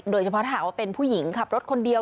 โดยเฉพาะถ้าหากว่าเป็นผู้หญิงขับรถคนเดียว